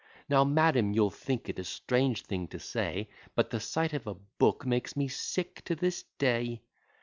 Now, madam, you'll think it a strange thing to say, But the sight of a book makes me sick to this day.